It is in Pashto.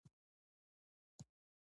چي آباد وي پر نړۍ جاهل قومونه